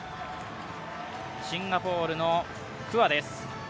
シンガポールのクアです。